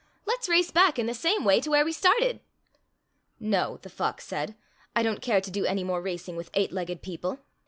"Let's race back in the same way to where we started." "No," the fox said, "I don't care to do any more racing with eight legged people."